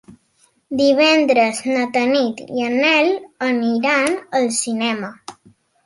Divendres na Tanit i en Nel aniré al cinema.